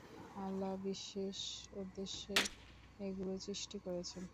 আল্লাহ বিশেষ উদ্দেশ্যে এগুলো সৃষ্টি করেছেন।